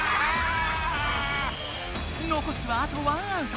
のこすはあと１アウト。